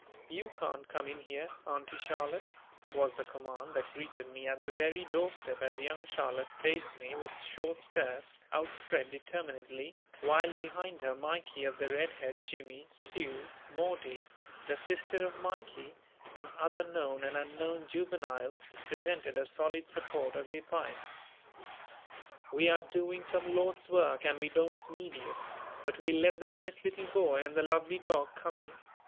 "You can't come in here, Auntie Charlotte," was the command that greeted me at the very doorstep as young Charlotte faced me with short skirts outspread determinedly, while behind her Mikey of the red head, Jimmy, Sue, Maudie, the sister of Mikey, and other known and unknown juveniles, presented a solid support of defiance. "We are doing some Lord's work and we don't need you, but we'll let the nice little boy and the lovely dog come in.